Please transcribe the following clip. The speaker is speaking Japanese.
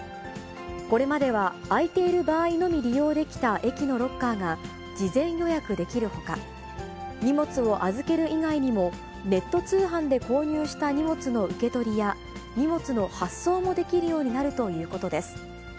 これまでは空いている場合のみ利用できた駅のロッカーが事前予約できるほか、荷物を預ける以外にも、ネット通販で購入した荷物の受け取りや、荷物の発送もできるようになるということです。